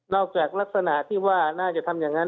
จากลักษณะที่ว่าน่าจะทำอย่างนั้น